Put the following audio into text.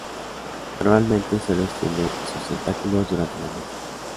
Normalmente sólo extiende sus tentáculos durante la noche.